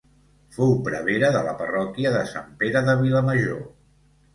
Fou prevere de la parròquia de Sant Pere de Vilamajor.